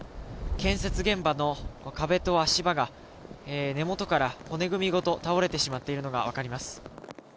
建設現場の壁と足場が根元から骨組みごと倒れてしまっているのが分かります。